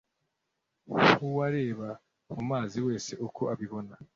nkuwureba mumazi wese uko abibona